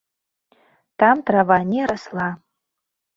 Там трава не расла.